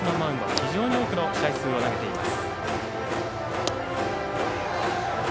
非常に多くの試合を投げています。